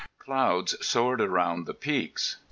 Clouds soared around the peaks.